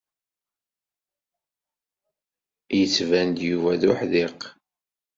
Yettban-d Yuba d uḥdiq.